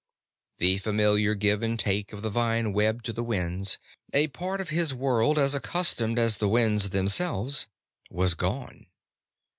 The familiar give and take of the vine web to the winds, a part of his world as accustomed as the winds themselves, was gone.